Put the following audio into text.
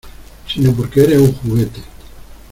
Sino porque eres un juguete.